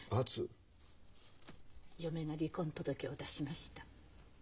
嫁が離婚届を出しました。